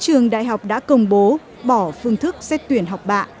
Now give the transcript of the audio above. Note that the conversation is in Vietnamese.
trường đại học đã công bố bỏ phương thức xét tuyển học bạ